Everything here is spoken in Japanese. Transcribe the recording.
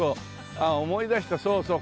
あっ思い出したそうそう